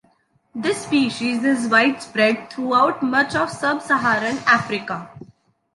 This species is widespread throughout much of sub-Saharan Africa.